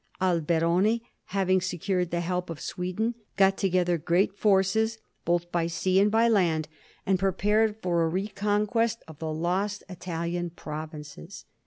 Alberoni, having secured the help of Sweden, got together great forces both by sea and by land, and prepared for a reconquest of the lost Italian provinces.